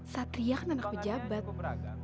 satria kan anak pejabat